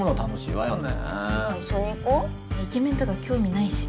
いやイケメンとか興味ないし。